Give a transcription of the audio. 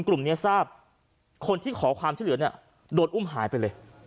กลุ่มนี้ทราบคนที่ขอความช่วยเหลือเนี่ยโดนอุ้มหายไปเลย